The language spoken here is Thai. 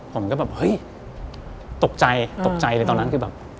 ผมก็แบบเฮ้ยตกใจตกใจเลยตอนนั้นคือแบบ